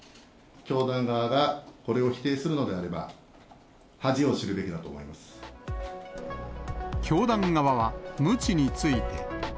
教団側がこれを否定するのであれ教団側はむちについて。